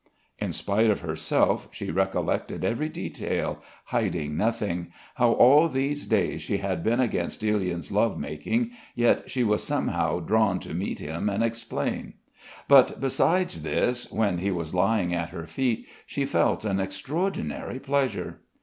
In spite of herself she recollected every detail, hiding nothing, how all these days she had been against Ilyin's love making, yet she was somehow drawn to meet him and explain; but besides this when he was lying at her feet she felt an extraordinary pleasure.